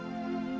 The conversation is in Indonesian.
aku sudah berjalan